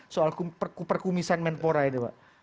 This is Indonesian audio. soal perkumisan menpora ini pak